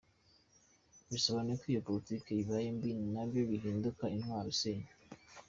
Bisobanuye ko iyo politiki ibaye mbi naryo rihinduka intwaro isenya.